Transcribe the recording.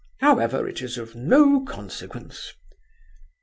However, it is of no consequence."